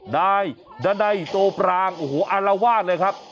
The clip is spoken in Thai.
นายดันัยโตปรางโอ้โหอารวาสเลยครับ